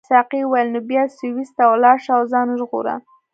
ساقي وویل نو بیا سویس ته ولاړ شه او ځان وژغوره.